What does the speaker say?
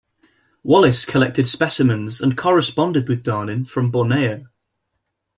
Wallace collected specimens and corresponded with Darwin from Borneo.